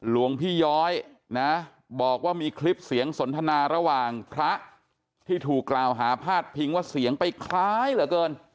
หลวงพี่ย้อยนะบอกว่ามีคลิปเสียงสนทนาระหว่างพระที่ถูกกล่าวหาพาดพิงว่าเสียงไปคล้ายเหลือเกิน